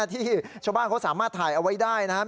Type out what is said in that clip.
ที่ชาวบ้านเขาสามารถถ่ายเอาไว้ได้นะครับ